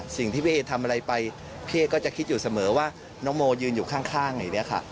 สิ่งที่พี่เอทำอะไรไปพี่เอ๊ก็จะคิดอยู่เสมอว่าน้องโมยืนอยู่ข้างอย่างนี้ค่ะ